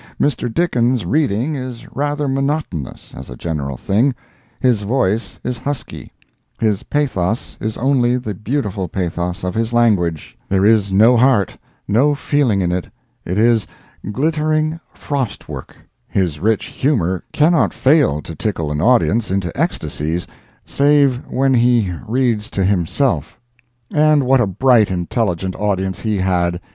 Mr. Dickens' reading is rather monotonous, as a general thing; his voice is husky; his pathos is only the beautiful pathos of his language—there is no heart, no feeling in it—it is glittering frostwork; his rich humor cannot fail to tickle an audience into ecstasies save when he reads to himself. And what a bright, intelligent audience he had!